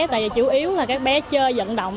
tại vì chủ yếu là các bé chơi dẫn động